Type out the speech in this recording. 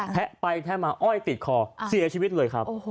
แทะไปแทะมาอ้อยติดคอเสียชีวิตเลยครับ